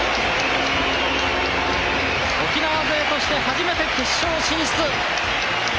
沖縄勢として初めて決勝進出！